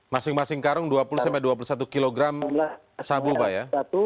masing masing karung dua puluh dua puluh satu kg sabu pak ya